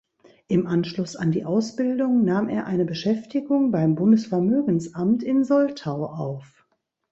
Im Anschluss an die Ausbildung nahm er eine Beschäftigung beim Bundesvermögensamt in Soltau auf.